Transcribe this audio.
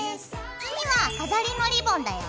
次は飾りのリボンだよ。